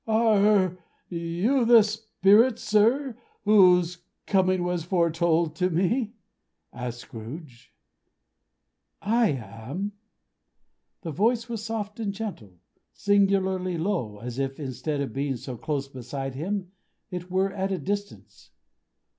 "Are you the Spirit, sir, whose coming was foretold to me?" asked Scrooge. "I am!" The voice was soft and gentle. Singularly low, as if instead of being so close beside him, it were at a distance.